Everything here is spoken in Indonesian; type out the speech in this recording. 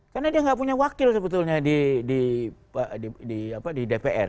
karena dia nggak punya wakil sebetulnya di dpr